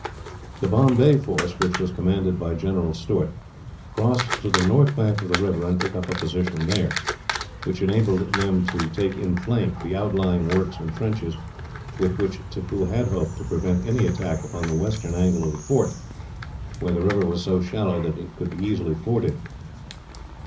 The Bombay force, which was commanded by General Stuart, crossed to the north bank of the river, and took up a position, there, which enabled them to take in flank the outlying works and trenches, with which Tippoo had hoped to prevent any attack upon the western angle of the fort, where the river was so shallow that it could be easily forded.